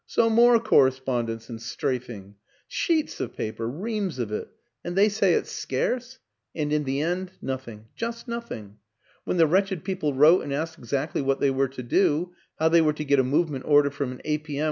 So more correspondence and strafing. ... Sheets of pa per reams of it and they say it's scarce ! And in the end, nothing just nothing. When the wretched people wrote and asked exactly what they were to do how they were to get a move ment order from an A. P. M.